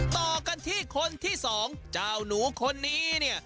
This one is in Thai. ต่อกันที่คนที่สองเจ้าหนูคนนี้เนี่ย